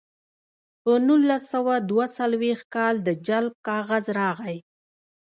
په نولس سوه دوه څلویښت کال د جلب کاغذ راغی